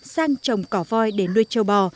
sang trồng cỏ voi để nuôi châu bò